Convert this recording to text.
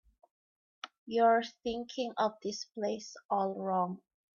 You're thinking of this place all wrong.